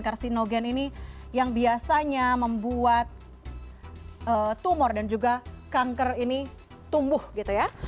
karsinogen ini yang biasanya membuat tumor dan juga kanker ini tumbuh gitu ya